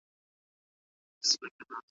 څوک د تورو له زخمونو پرزېدلي `